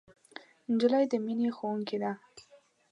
نجلۍ د مینې ښوونکې ده.